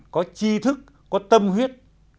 có chi thức có tâm huyết